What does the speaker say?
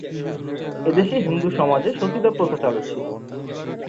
এদেশে হিন্দু সমাজে সতীদাহ প্রথা চালু ছিল।